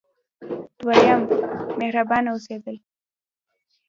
دریم: مهربانه اوسیدل.